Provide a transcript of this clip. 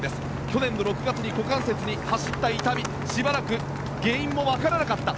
去年の６月に股関節に走った痛みしばらく原因も分からなかった。